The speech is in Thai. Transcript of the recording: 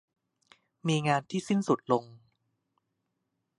มีงานที่สิ้นสุดลง